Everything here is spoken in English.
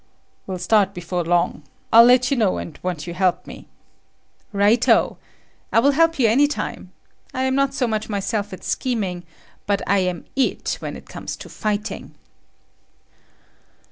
"Will start before long. I'll let you know, and want you help me." "Right O. I will help you any time. I am not much myself at scheming, but I am IT when it comes to fighting."